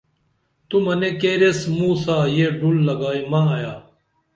تو منے کیریس موں سا یہ ڈُل لگائی مہ ایا